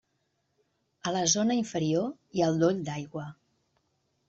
A la zona inferior hi ha el doll d'aigua.